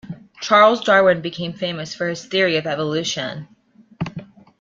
Charles Darwin became famous for his theory of evolution.